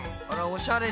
おしゃれ！